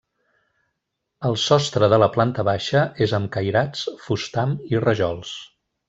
El sostre de la planta baixa és amb cairats, fustam i rajols.